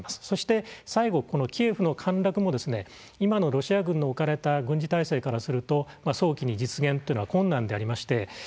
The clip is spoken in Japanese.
そして、最後、キエフの陥落も今のロシア軍の置かれた軍事体制からすると早期に実現というのは困難でありまして